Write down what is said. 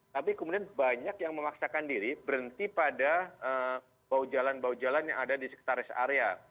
tapi kemudian banyak yang memaksakan diri berhenti pada bau jalan bahu jalan yang ada di sekitar rest area